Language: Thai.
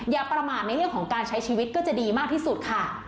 อย่าประมาทในเรื่องของการใช้ชีวิตก็จะดีมากที่สุดค่ะ